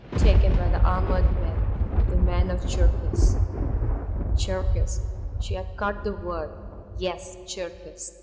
Taken by the armored men the men of Cherkis!" "Cherkis!" She had caught the word. "Yes Cherkis!